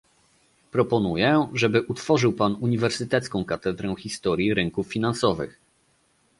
Proponuję, żeby utworzył pan uniwersytecką katedrę historii rynków finansowych